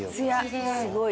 すごい！